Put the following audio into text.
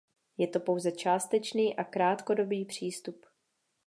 Je to pouze částečný a krátkodobý přístup.